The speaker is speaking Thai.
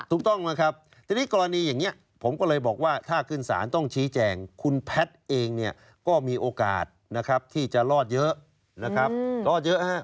ถูกต้องนะครับทีนี้กรณีอย่างนี้ผมก็เลยบอกว่าถ้าขึ้นศาลต้องชี้แจงคุณแพทย์เองเนี่ยก็มีโอกาสนะครับที่จะรอดเยอะนะครับรอดเยอะฮะ